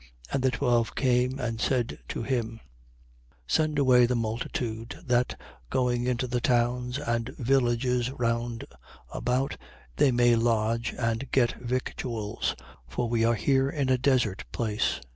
And the twelve came and said to him: Send away the multitude, that, going into the towns and villages round about, they may lodge and get victuals; for we are here in a desert place.